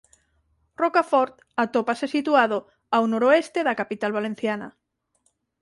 Rocafort atópase situado ao noroeste da capital valenciana.